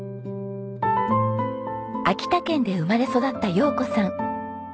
秋田県で生まれ育った洋子さん。